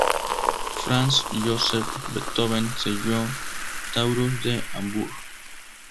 Franz Joseph Beethoven, sello Taurus de Hamburg.